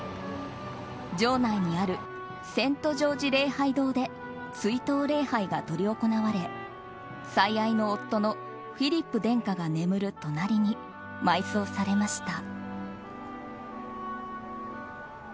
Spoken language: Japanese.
城内にあるセント・ジョージ礼拝堂で追悼礼拝が執り行われ最愛の夫のフィリップ殿下が眠る隣に埋葬されました。